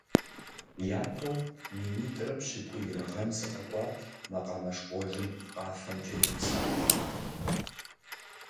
Япэу минитӀрэ пщӀыкӀуирэ гъэм сыкъэкӀуат макъамэ школым къафэмкӀэ и гъэсакӀуэу.